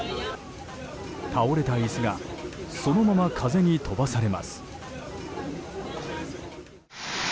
倒れた椅子がそのまま風に飛ばされます。